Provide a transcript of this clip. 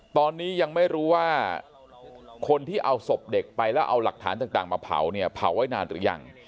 ตอนนี้ยังไม่รู้ว่าคนที่เอาศพเด็กไปแล้วเอาหลักฐานต่างมาเผาเนี่ยเผาไว้นานหรือยัง